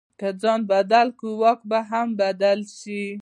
که ځان بدل کړو، واک به هم بدل شي.